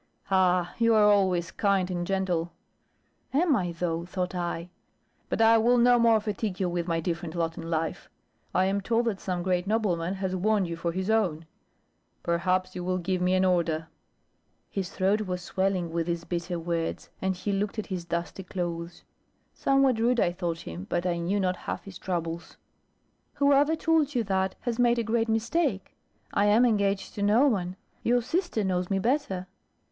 "Ah, you are always kind and gentle:" am I though, thought I "but I will no more fatigue you with my different lot in life. I am told that some great nobleman has won you for his own. Perhaps you will give me an order." His throat was swelling with these bitter words, and he looked at his dusty clothes. Somewhat rude I thought him, but I knew not half his troubles. "Whoever told you that, has made a great mistake. I am engaged to no one. Your sister knows me better."